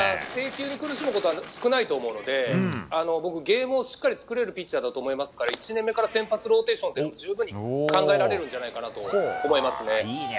制球に苦しむことは少ないと思うので僕、ゲームをしっかり作れるピッチャーだと思いますから１年目から先発ローテーションで十分に考えられるんじゃないかなと思いますね。